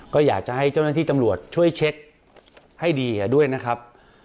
ก็อยากจะให้เจ้าหน้าที่ตำรวจช่วยเช็คให้ดีด้วยนะครับ